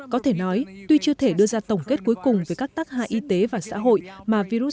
có thể nói tuy chưa thể đưa ra tổng kết cuối cùng về các tác hại y tế và xã hội mà virus